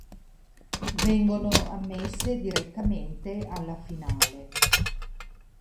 Vengono ammesse direttamente alla finale.